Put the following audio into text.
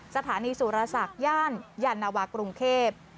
สถานีสุรษักย่านหญ่านวกรุงเทพ